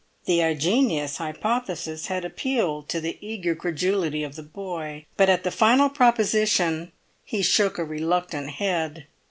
The ingenious hypothesis had appealed to the eager credulity of the boy; but at the final proposition he shook a reluctant head.